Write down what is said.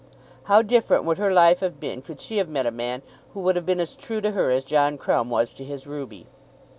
How different would her life have been could she have met a man who would have been as true to her as John Crumb was to his Ruby!